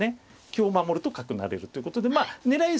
香守ると角成れるということで狙い